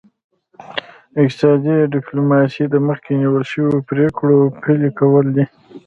اقتصادي ډیپلوماسي د مخکې نیول شوو پریکړو پلي کول دي